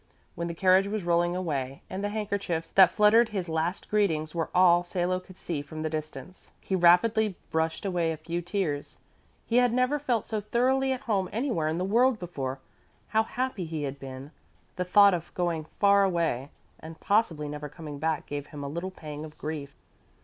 When the carriage was rolling away and the handkerchiefs that fluttered him last greetings were all Salo could see from the distance, he rapidly brushed away a few tears. He had never felt so thoroughly at home anywhere in the world before. How happy he had been! The thought of going far away and possibly never coming back gave him a little pang of grief.